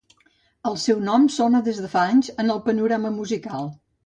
el seu nom sona des de fa anys en el panorama musical